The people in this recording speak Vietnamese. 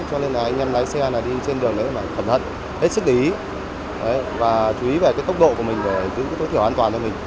cho nên là anh em lái xe đi trên đường phải khẩn hận hết sức lý và chú ý về cái tốc độ của mình để giữ cái tối thiểu an toàn cho mình